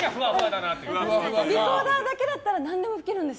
リコーダーだけなら何でも吹けるんです。